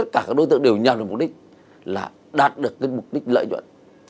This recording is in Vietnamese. các đối tượng đều nhận được mục đích là đạt được mục đích lợi nhuận